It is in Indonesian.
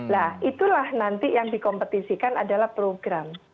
nah itulah nanti yang dikompetisikan adalah program